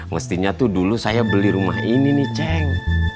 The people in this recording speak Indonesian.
mestinya tuh dulu saya beli rumah ini nih ceng